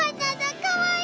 かわいい。